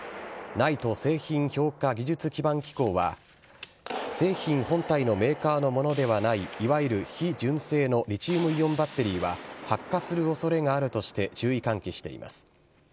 ＮＩＴＥ・製品評価技術基盤機構は、製品本体のメーカーのものではない、いわゆる非純正のリチウムイオンバッテリーは、発火するおそれがあるとして、注意喚起しています。